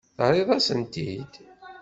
Terriḍ-asen-tent-id?